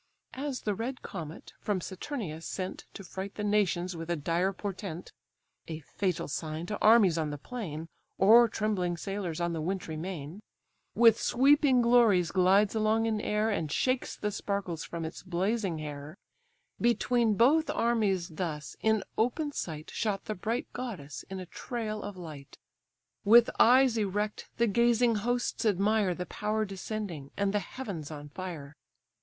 As the red comet, from Saturnius sent To fright the nations with a dire portent, (A fatal sign to armies on the plain, Or trembling sailors on the wintry main,) With sweeping glories glides along in air, And shakes the sparkles from its blazing hair: Between both armies thus, in open sight Shot the bright goddess in a trail of light, With eyes erect the gazing hosts admire The power descending, and the heavens on fire!